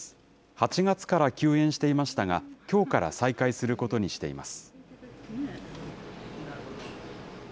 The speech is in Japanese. ８月から休園していましたが、きょうから再開することにしています。